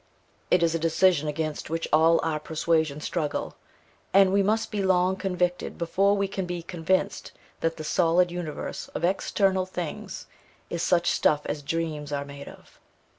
It is a decision against which all our persuasions struggle, and we must be long convicted before we can be convinced that the solid universe of external things is 'such stuff as dreams are made of.'